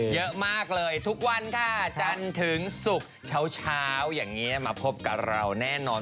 เยอะมากเลยทุกวันค่ะจันทร์ถึงศุกร์เช้าอย่างนี้มาพบกับเราแน่นอน